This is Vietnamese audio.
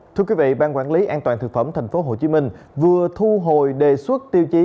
thưa quý vị ban quản lý an toàn thực phẩm tp hcm vừa thu hồi đề xuất tiêu chí